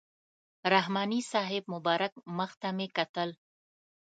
رحماني صاحب مبارک مخ ته مې کتل.